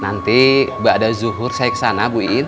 nanti mbak ada zuhur saya kesana